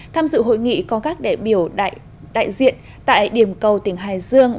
tham dự hội nghị có các đại biểu đại diện tại điểm cầu tỉnh hải dương